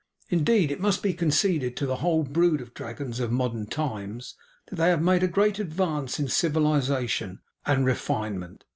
Indeed it must be conceded to the whole brood of dragons of modern times, that they have made a great advance in civilisation and refinement.